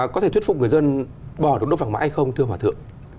có thể thuyết phục người dân bỏ được đốt vàng mã hay không thưa hòa thượng